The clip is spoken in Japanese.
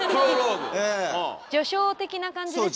序章的な感じですね？